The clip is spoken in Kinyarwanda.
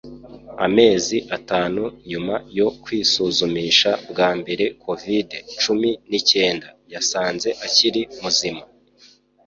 amezi atanu nyuma yo kwisuzumisha bwa mbere covid-cumi n’icyenda yasanze akiri muzima